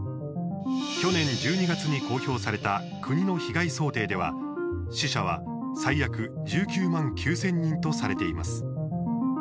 去年１２月に公表された国の被害想定では死者は最悪１９万９０００人とされています。